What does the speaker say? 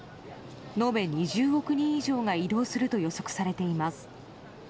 延べ２０億人以上が移動すると予測されています。